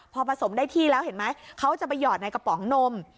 พอผสมได้ที่แล้วเห็นไหมเขาจะไปหยอดในกระป๋องนม